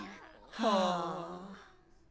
はあ。